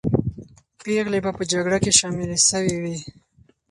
پېغلې به په جګړه کې شاملې سوې وې.